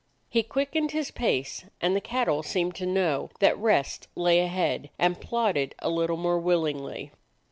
He quickened his pace, and the cattle seemed to know that rest lay ahead and plod ded a little more willingly.